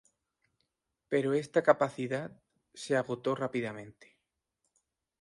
Pero esta capacidad se agotó rápidamente.